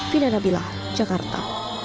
fina nabilah jakarta